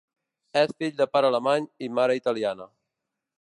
És fill de pare alemany i mare italiana.